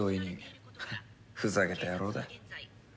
ふざけた野郎だ。